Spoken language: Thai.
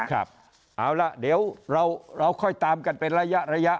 เอาล่ะเดี๋ยวเราค่อยตามกันเป็นระยะ